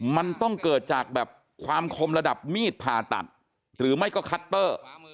มันต้องเกิดจากแบบความคมระดับมีดผ่าตัดหรือไม่ก็คัตเตอร์